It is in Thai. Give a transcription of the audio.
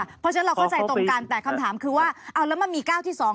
เพราะฉะนั้นเราเข้าใจตรงกันแต่คำถามคือว่าเอาแล้วมันมีก้าวที่สอง